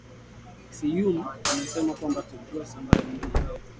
Seyoum amesema kwamba Tedros ambaye mwenyewe ni kutoka